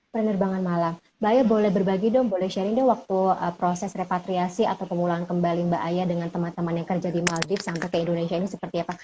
penerbangan malam mbak aya boleh berbagi dong boleh sharing dong waktu proses repatriasi atau pemulangan kembali mbak aya dengan teman teman yang kerja di maldive sampai ke indonesia ini seperti apa